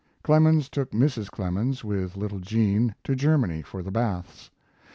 Clemens took Mrs. Clemens, with little Jean, to Germany for the baths.